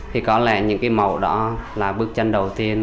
thì có lẽ những cái màu đó là bức tranh đầu tiên